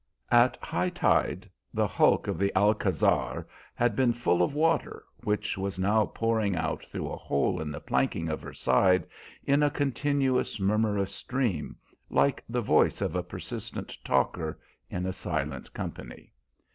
At high tide the hulk of the Alcázar had been full of water, which was now pouring out through a hole in the planking of her side in a continuous, murmurous stream, like the voice of a persistent talker in a silent company.